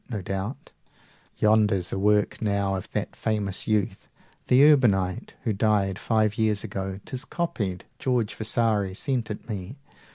No doubt. Yonder's a work now, of that famous youth The Urbinate who died five years ago. 105 ('Tis copied, George Vasari sent it me.)